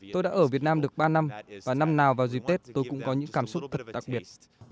tôi đã ở việt nam được ba năm và năm nào vào dịp tết tôi cũng có những cảm xúc thật đặc biệt